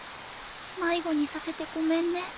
迷子にさせてごめんね。